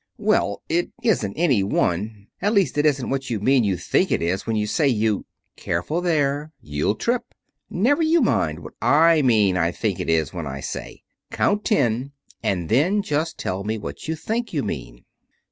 '" "Well, it isn't any one at least, it isn't what you mean you think it is when you say you " "Careful there! You'll trip. Never you mind what I mean I think it is when I say. Count ten, and then just tell me what you think you mean."